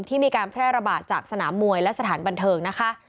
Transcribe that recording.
ที่มีการแพร่ระบาดจากสนามมวยและสถานบันเทิงนะคะ